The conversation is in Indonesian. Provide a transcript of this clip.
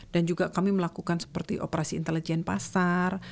dan juga kami melakukan seperti operasi intelijen pasar